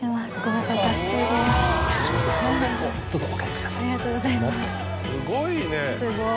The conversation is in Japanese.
すごい。